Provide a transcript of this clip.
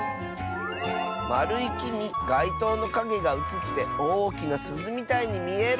「まるいきにがいとうのかげがうつっておおきなすずみたいにみえる！」。